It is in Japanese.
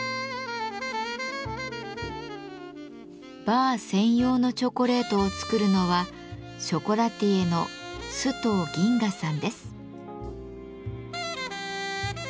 バー専用のチョコレートを作るのはショコラティエの須藤銀雅さんです。